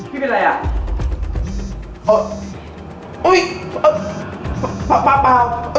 พี่เป็นไรล่ะ